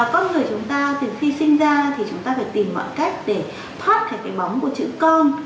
con người chúng ta từ khi sinh ra thì chúng ta phải tìm mọi cách để thoát cái móng của chữ con